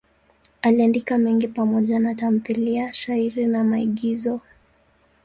Aliandika mengi pamoja na tamthiliya, shairi na maigizo.